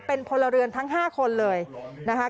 เป็นพลเรือนทั้ง๕คนเลยนะคะ